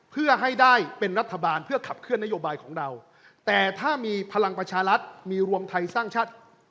เพื่อให้ได้เป็นรัฐบาลเพื่อขับเคลื่อนนโยบายของเราแต่ถ้ามีพลังประชารัฐมีรวมไทยสร้างชาติ